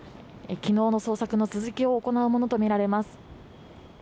昨日の捜索の続きを行うものと見られます